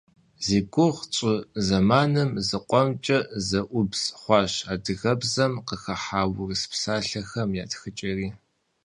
Зи гугъу тщӏы зэманым зыкъомкӏэ зэӏубз хъуащ адыгэбзэм къыхыхьа урыс псалъэхэм я тхыкӏэри.